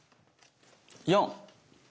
４！